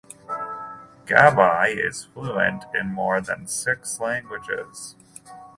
Gabbai is fluent in more than six languages.